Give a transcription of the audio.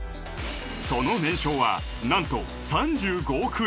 その年商は何と３５億円